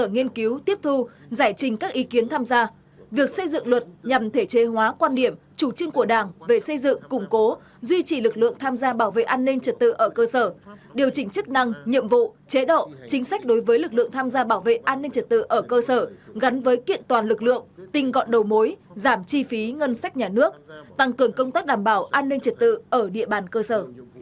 giải trình các ý kiến tham gia việc xây dựng luật nhằm thể chế hóa quan điểm chủ trương của đảng về xây dựng củng cố duy trì lực lượng tham gia bảo vệ an ninh trật tự ở cơ sở điều chỉnh chức năng nhiệm vụ chế độ chính sách đối với lực lượng tham gia bảo vệ an ninh trật tự ở cơ sở gắn với kiện toàn lực lượng tinh gọn đầu mối giảm chi phí ngân sách nhà nước tăng cường công tác đảm bảo an ninh trật tự ở địa bàn cơ sở